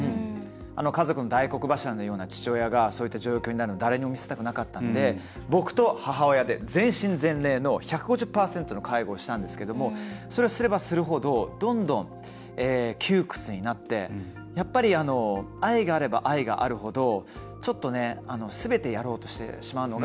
家族の大黒柱のような父親がそういう状況になるの見せたくなかったので僕と母親で全身全霊の１５０％の介護をしたんですけどそれをすればするほど、どんどん窮屈になって愛があれば愛があるほどちょっと、すべてやろうとしてしまうのが。